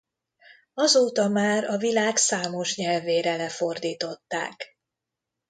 Azóta már a világ számos nyelvére lefordították.